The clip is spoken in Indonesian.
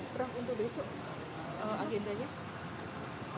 berapa untuk besok agen denny